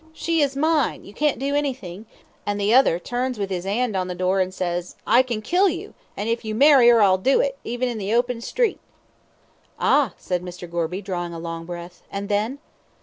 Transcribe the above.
'She is mine; you can't do anything; an' the other turns with 'is 'and on the door an' says, 'I can kill you, an' if you marry 'er I'll do it, even in the open street.'" "Ah!" said Mr. Gorby, drawing a long breath, "and then?"